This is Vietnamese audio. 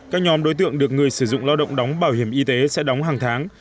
các nhóm đối tượng được người sử dụng lao động đóng bảo hiểm y tế sẽ đóng hàng tháng